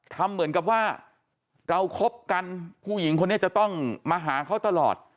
ทำเหมือนกับว่าเราคบกันผู้หญิงคนนี้จะต้องมาหาเขาตลอด